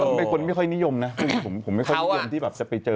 แต่ผมเป็นคนไม่นิยมเนี่ยผมไม่ค่อยนิยมที่จะไปเจอ